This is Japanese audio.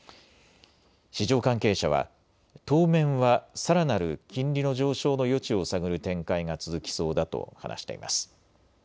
市場関係者は当面はさらなる金利の上昇の余地を探る展開が続きそうだと話しています。